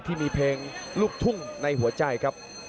ขอบคุณครับ